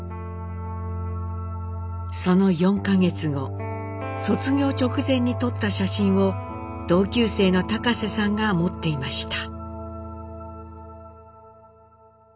その４か月後卒業直前に撮った写真を同級生の高瀬さんが持っていました。